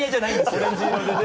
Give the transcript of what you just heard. オレンジ色でね。